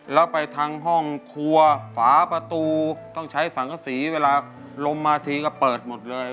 แล้วไปทางห้องครัวฝาประตูต้องใช้สังกษีเวลาลมมาทีก็เปิดหมดเลย